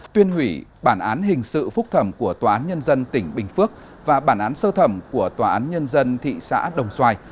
tuyên hủy bản án hình sự phúc thẩm của tòa án nhân dân tỉnh bình phước và bản án sơ thẩm của tòa án nhân dân thị xã đồng xoài